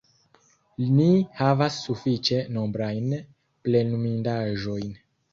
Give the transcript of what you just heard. Ni havas sufiĉe nombrajn plenumindaĵojn.